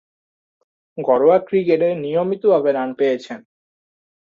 ঘরোয়া ক্রিকেটে নিয়মিতভাবে রান পেয়েছেন।